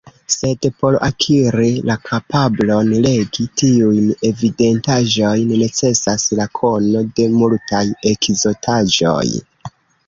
Sed por akiri la kapablon legi tiujn evidentaĵojn necesas la kono de multaj ekzotaĵoj.